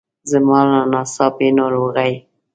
زما له ناڅاپي ناروغۍ.